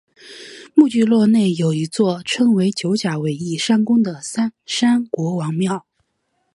本聚落内有一座称为九甲围义山宫的三山国王庙。